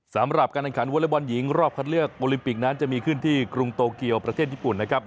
สำหรับการแข่งขันวอเล็กบอลหญิงรอบคัดเลือกโอลิมปิกนั้นจะมีขึ้นที่กรุงโตเกียวประเทศญี่ปุ่นนะครับ